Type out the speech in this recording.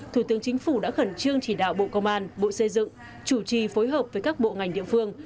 thủ tướng chính phủ đã khẩn trương chỉ đạo bộ công an bộ xây dựng chủ trì phối hợp với các bộ ngành địa phương